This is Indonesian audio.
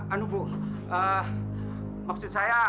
aduh bu maksud saya